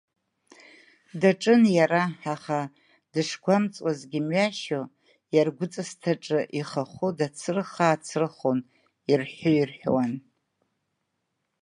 Даҿын иара, аха, дышгәамҵуазгьы мҩашьо, иаргәҵысҭаҿы ихахәы дацрыха-ацрыхон, ирҳәы-ирҳәуан.